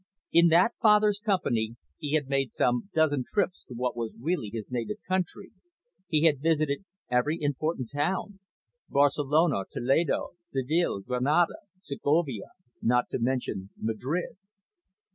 In that father's company he had made some dozen trips to what was really his native country, he had visited every important town Barcelona, Toledo, Seville, Granada, Segovia, not to mention Madrid.